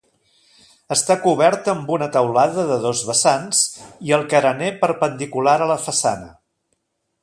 Està coberta amb una teulada de dos vessants i el carener perpendicular a la façana.